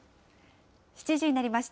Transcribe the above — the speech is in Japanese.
７時になりました。